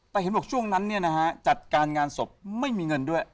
แต่เห็นบอกช่วงนั้นเนี่ยนะฮะจัดการงานศพไม่มีเงินด้วย